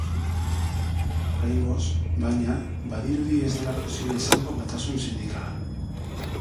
Oraingoz, baina, badirudi ez dela posible izango batasun sindikala.